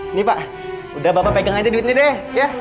ini pak udah bapak pegang aja duit ini deh